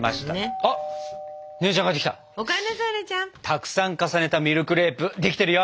たくさん重ねたミルクレープできてるよ！